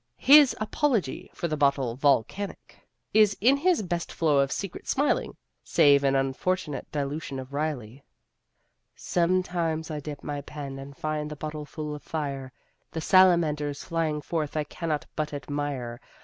His Apology for the Bottle Volcanic is in his best flow of secret smiling (save an unfortunate dilution of Riley): Sometimes I dip my pen and find the bottle full of fire, The salamanders flying forth I cannot but admire....